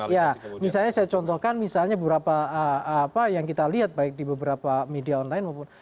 ya misalnya saya contohkan misalnya beberapa apa yang kita lihat baik di beberapa media online maupun